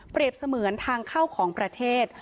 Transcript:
เปรียบเสมือนทางเข้าของประเทศ